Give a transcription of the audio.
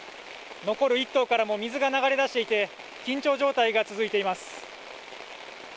残る１棟からも水が流れ出していて、緊張状態が続いています。